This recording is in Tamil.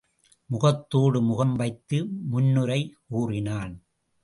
முகத்தோடு முகம் வைத்து முன்னுரை கூறினான்.